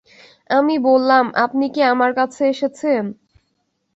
আমি বললাম, আপনি কি আমার কাছে এসেছেন?